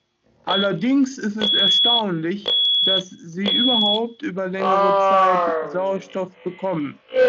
Allerdings ist es erstaunlich, dass sie überhaupt über längere Zeit Sauerstoff bekommen.